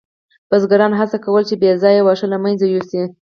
بزګرانو هڅه کوله چې بې ځایه واښه له منځه یوسي.